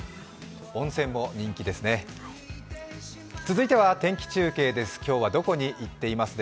温泉も人気ですね。